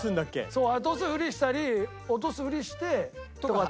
そう落とすフリしたり落とすフリしてとかって。